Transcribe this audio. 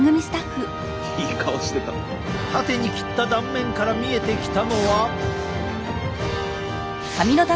縦に切った断面から見えてきたのは。